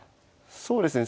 そうですね